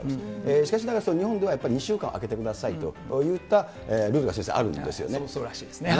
しかしながら日本では２週間空けてくださいといったルールが先生、そうらしいですね。